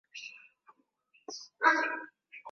maandamano yaliitishwa hapo jana na vyama vya wafanyakazi